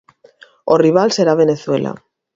O rival será Venezuela.